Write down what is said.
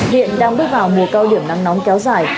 hiện đang bước vào mùa cao điểm nắng nóng kéo dài